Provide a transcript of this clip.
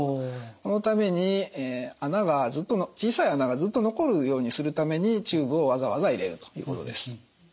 そのために小さい穴がずっと残るようにするためにチューブをわざわざ入れるということです。